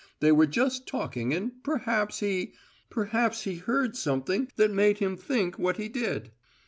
They were just talking, and perhaps he perhaps he heard something that made him think what he did.